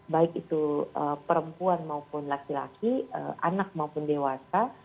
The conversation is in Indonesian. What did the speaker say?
baik itu perempuan maupun laki laki anak maupun dewasa